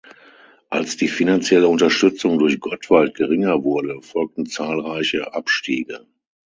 Als die finanzielle Unterstützung durch Gottwald geringer wurde, folgten zahlreiche Abstiege.